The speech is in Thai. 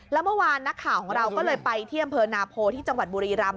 แล้วเมื่อวานนักข่าวของเราก็เลยไปที่อำเภอนาโพที่จังหวัดบุรีรำ